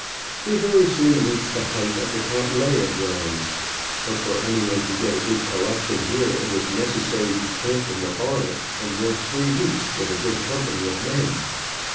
We very soon reached the height of the Cattleya grounds ; but for anyone to get a good collection here it is necessary to camp in the forest and work three weeks with a good company of men.